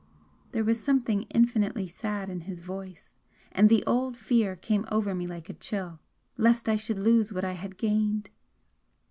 There was something infinitely sad in his voice, and the old fear came over me like a chill 'lest I should lose what I had gained!'